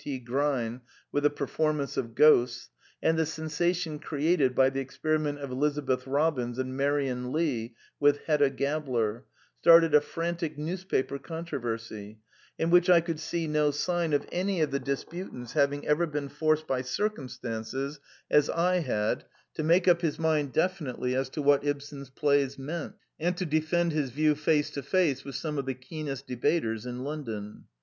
T. Grein with a performance of Ghosts, and the sensation created by the experiment of Eliza beth Robins and Marion Lea with Hedda Gabler, started a frantic newspaper controversy, in which I could see no sign of any of the disputants hav ing ever been forced by circumstances, as I had, to make up his mind definitely as to what Ibsen's plays meant, and to defend his view face to face with some of the keenest debaters in London.